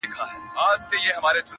ستا د موسکا، ستا د ګلونو د ګېډیو وطن؛